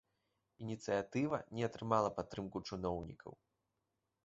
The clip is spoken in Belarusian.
Ініцыятыва не атрымала падтрымку чыноўнікаў.